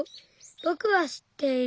ぼくは知っている。